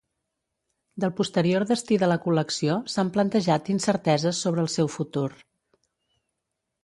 Del posterior destí de la col·lecció s'han plantejat incerteses sobre el seu futur.